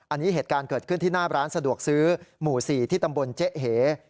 อันนี้เห็นเกิดขึ้นที่หน้าร้านสะดวกซื้อหมู่๔ตำบลเจ๊ห์เฮ